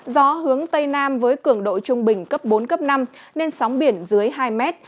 gió hướng tây nam với cường độ trung bình cấp bốn cấp năm nên sóng biển dưới hai mét